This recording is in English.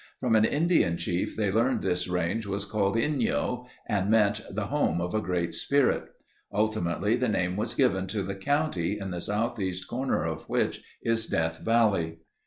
From an Indian chief they learned this range was called Inyo and meant "the home of a Great Spirit." Ultimately the name was given to the county in the southeast corner of which is Death Valley.